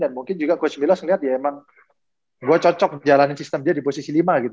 dan mungkin juga coach milos ngeliat ya emang gue cocok jalanin sistem dia di posisi lima gitu